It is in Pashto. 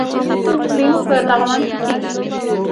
لیمو په لغمان کې کیږي